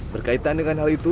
berkaitan dengan hal itu